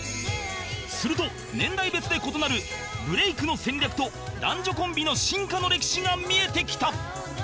すると年代別で異なるブレイクの戦略と男女コンビの進化の歴史が見えてきた